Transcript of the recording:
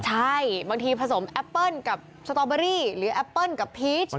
ใช่บางทีผสมแอปเปิ้ลกับสตอเบอรี่หรือแอปเปิ้ลกับพีช